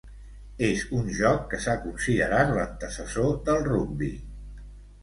És un joc que s'ha considerat l'antecessor del rugbi.